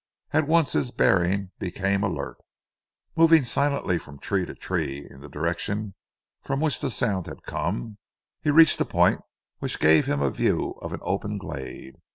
At once his bearing became alert. Moving silently from tree to tree in the direction from which the sound had come, he reached a point which gave him a view of an open glade.